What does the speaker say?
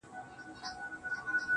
ا ويل په ښار کي چيرې اور دی لگېدلی_